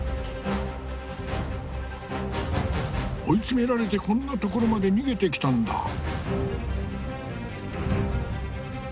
追い詰められてこんなところまで逃げてきたんだ。